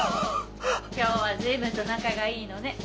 今日は随分と仲がいいのね。